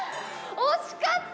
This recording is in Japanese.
惜しかった。